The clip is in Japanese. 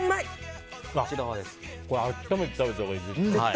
温めて食べたほうがいい。